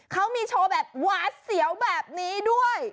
เขามีโชว์แบบหวาดเสียวแบบนี้ด้วย